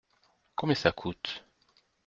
Combien ça coûte ?